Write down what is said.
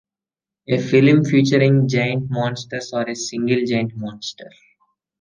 A film featuring giant monsters or a single giant monster.